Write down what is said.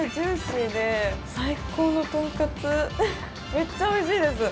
めっちゃおいしいです。